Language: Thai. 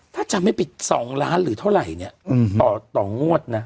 ถ้าจะไม่ปิด๒ล้านหรือเท่าไหร่เนี่ยต่อวงวทย์เนี่ย